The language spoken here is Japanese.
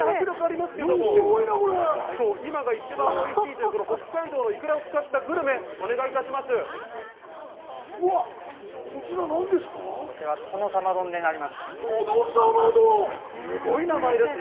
今が一番おいしいという北海道のイクラを使ったグルメ、お願いいたします。